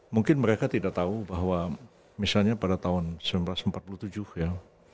mungkin mereka tidak tahu bahwa misalnya pada tahun seribu sembilan ratus empat puluh tujuh ya